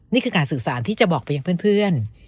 นี่คือการสื่อสารที่จะบอกไปยังเพื่อน